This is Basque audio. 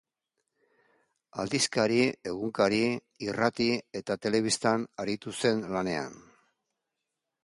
Aldizkari, egunkari, irrati eta telebistan aritu zen lanean.